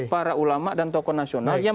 para ulama dan tokoh nasional yang